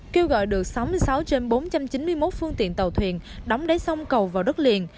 kêu gọi được sáu mươi sáu trên bốn trăm chín mươi một phương tiện tàu thuyền đóng đá sông cầu vào đất liền